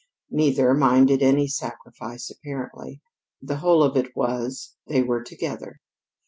Neither minded any sacrifice apparently. The whole of it was, they were together.